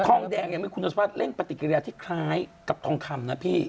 ทองแดงอย่างคุณสมภัทรเล่นปฏิกิริยาที่คล้ายกับทองคำนะพี่